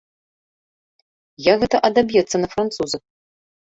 Як гэта адаб'ецца на французах?